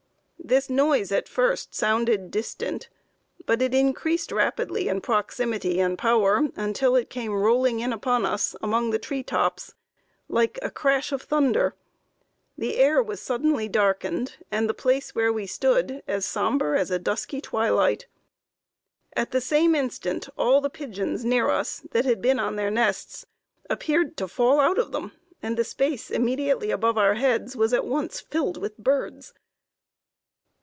This noise at first sounded distant, but it increased rapidly in proximity and power, until it came rolling in upon us, among the tree tops, like a crash of thunder. The air was suddenly darkened, and the place where we stood as somber as a dusky twilight. At the same instant, all the pigeons near us, that had been on their nests, appeared to fall out of them, and the space immediately above our heads was at once filled with birds.